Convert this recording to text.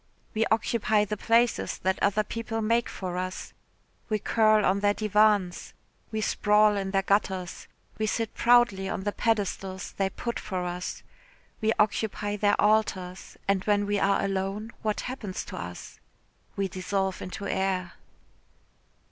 "We occupy the places that other people make for us. We curl on their divans, we sprawl in their gutters, we sit proudly on the pedestals they put for us, we occupy their altars, and when we are alone, what happens to us? We dissolve into air."